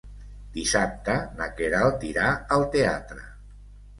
Dissabte na Queralt irà al teatre.